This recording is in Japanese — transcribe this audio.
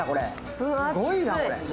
すごいな、これ。